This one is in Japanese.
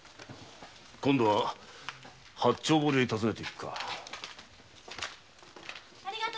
今度は八丁堀へ訪ねて行くか。